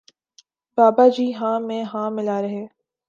بابا جی بھی ہاں میں ہاں ملا رہے